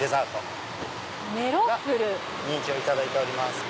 人気をいただいております。